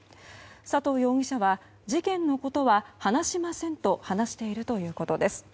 佐藤容疑者は事件のことは話しませんと話しているということです。